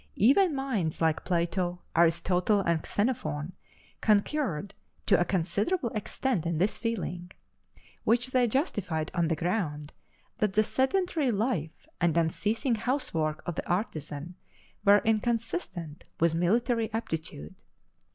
Even minds like Plato, Aristotle, and Xenophon concurred to a considerable extent in this feeling, which they justified on the ground that the sedentary life and unceasing house work of the artisan were inconsistent with military aptitude.